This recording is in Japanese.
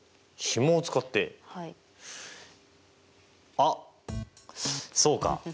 あっそうか。